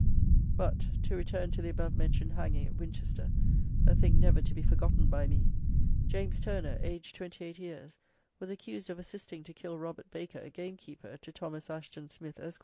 But, to return to the above mentioned hanging at Winchester (a thing never to be forgotten by me), James Turner, aged 28 years, was accused of assisting to kill Robert Baker, gamekeeper to Thomas Asheton Smith, Esq.